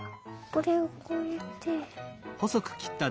これをこうやって。